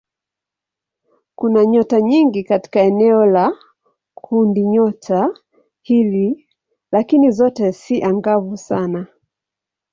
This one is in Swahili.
Kuna nyota nyingi katika eneo la kundinyota hili lakini zote si angavu sana.